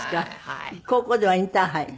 高校ではインターハイに？